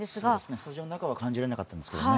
スタジオの中は感じなかったですね。